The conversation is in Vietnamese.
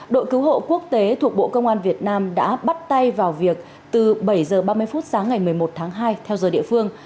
đội cứu hộ quốc tế thuộc bộ công an việt nam đã bắt tay vào việc từ bảy h ba mươi phút sáng ngày một mươi một tháng hai theo giờ địa phương